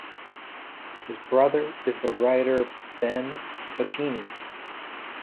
His brother is the writer Ben Faccini.